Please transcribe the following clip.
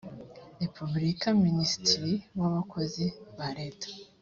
repubulika minisitiri w abakozi ba leta